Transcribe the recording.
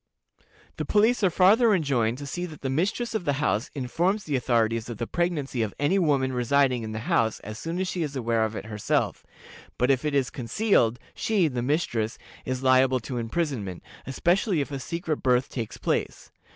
The police are farther enjoined to see that the mistress of the house informs the authorities of the pregnancy of any woman residing in the house as soon as she is aware of it herself, but if it is concealed she (the mistress) is liable to imprisonment, especially if a secret birth takes place.